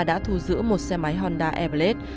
đã thu giữ một xe máy honda e blade